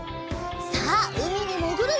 さあうみにもぐるよ！